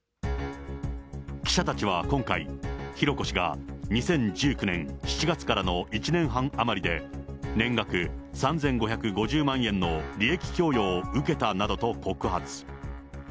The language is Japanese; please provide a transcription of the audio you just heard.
記者たちは今回、浩子氏が２０１９年７月からの１年半余りで、年額３５５０万円の利益供与を受けたなどと告発。